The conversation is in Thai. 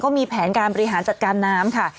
มีแผนการบริหารจัดการน้ำค่ะ